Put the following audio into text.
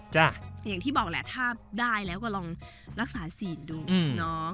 อย่างที่บอกแหละถ้าได้แล้วก็ลองรักษาศีลดูเนาะ